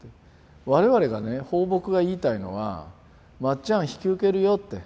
我々がね抱樸が言いたいのは「まっちゃん引き受けるよ」って。